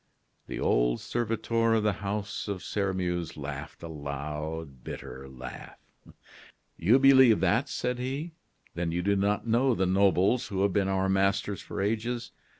The old servitor of the house of Sairmeuse laughed a loud, bitter laugh. "You believe that!" said he; "then you do not know the nobles who have been our masters for ages.